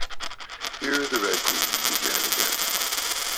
Here the Red Queen began again.